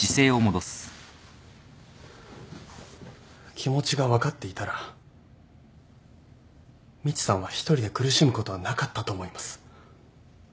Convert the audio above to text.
気持ちが分かっていたらみちさんは一人で苦しむことはなかったと思います。